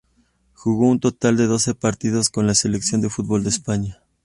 Jugó un total de doce partidos con la selección de fútbol de España.